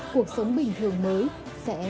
cuộc sống bình thường mới sẽ